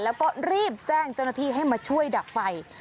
แล้วก็รีบแจ้งเจ้าหน้าที่ให้มาช่วยดับไฟ